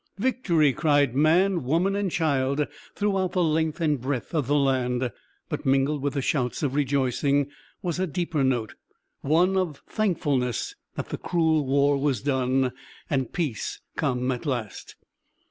"Victory!" cried man, woman, and child throughout the length and breadth of the land. But mingled with the shouts of rejoicing was a deeper note, one of thankfulness that the cruel war was done, and peace come at last.